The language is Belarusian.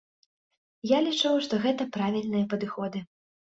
Я лічу, што гэта правільныя падыходы.